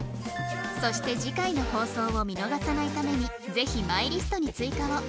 そして次回の放送を見逃さないためにぜひマイリストに追加を